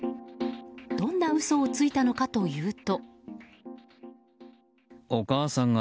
どんな嘘をついたのかというと。